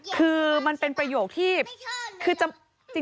คือมันเป็นประโยชน์ที่